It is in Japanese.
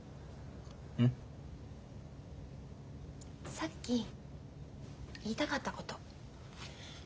さっき言いたかったこと。